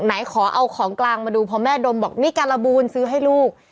ไหนขอเอาของกลางมาดูพอแม่ดมบอกนี่การบูลซื้อให้ลูก